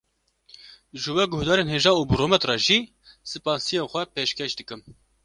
Ji we guhdarên hêja û bi rûmet re jî spasiyên xwe pêşkêş dikim